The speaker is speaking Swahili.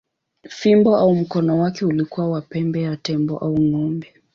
Fimbo au mkono wake ulikuwa wa pembe ya tembo au ng’ombe.